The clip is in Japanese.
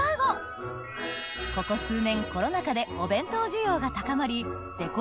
ここ数年コロナ禍でお弁当需要が高まりデコ